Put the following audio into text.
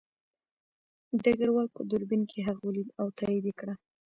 ډګروال په دوربین کې هغه ولید او تایید یې کړه